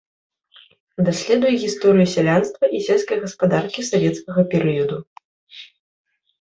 Даследуе гісторыю сялянства і сельскай гаспадаркі савецкага перыяду.